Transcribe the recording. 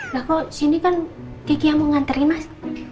nah kok sini kan kiki yang mau nganterin mas